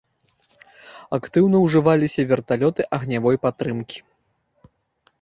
Актыўна ўжываліся верталёты агнявой падтрымкі.